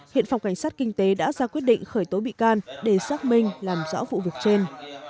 hiện phòng cảnh sát kinh tế đã ra quyết định khởi tố bị can để xác minh làm rõ vụ việc trên